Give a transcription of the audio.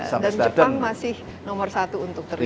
dan jepang masih nomor satu untuk terikat